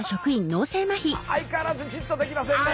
相変わらずじっとできませんね。